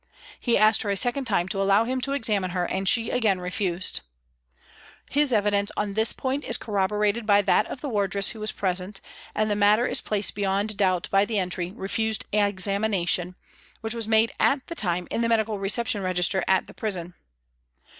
He asked her a second time to allow him to examine her and she again refused. His evidence on this point is corroborated by that of the wardress who was present, and the matter is placed beyond doubt by the entry ' refused examination ' which was made at the time in the medical reception register at the prison.